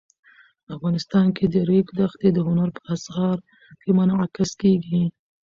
افغانستان کې د ریګ دښتې د هنر په اثار کې منعکس کېږي.